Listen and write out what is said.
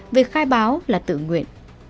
vì khai báo là tự nguyện